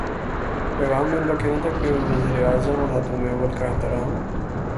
پیغام میں ان کا کہنا تھا کہ وزیرا اعظم اور خاتونِ اول کا احترام